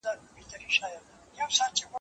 که په ښار کي نور طوطیان وه دی پاچا وو